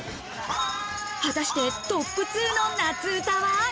果たしてトップ２の夏歌は？